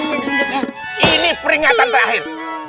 ini peringatan terakhir